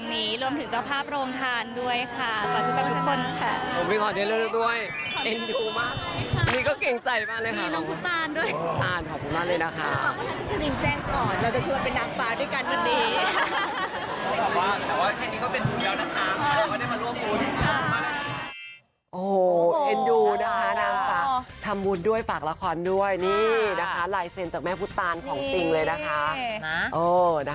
ไหลเซ็นต์จากแม่พุทธตานของจริงเลยนะคะนะโอ้นะคะนี่จะได้เป็นนางฟ้าไปด้วยฉัน